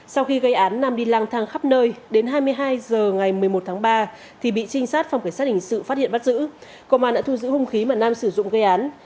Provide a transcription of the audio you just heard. sau khi gây án nam đi lang thang khắp nơi đến hai mươi hai h ngày một mươi một tháng ba thì bị trinh sát phòng cảnh sát hình sự phát hiện bắt giữ công an đã thu giữ hung khí mà nam sử dụng gây án